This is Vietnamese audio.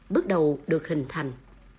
bước đầu được hình thành